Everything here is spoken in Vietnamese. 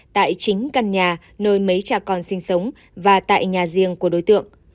tại chính căn nhà nơi mấy cha con sinh sống và tại nhà riêng của đối tượng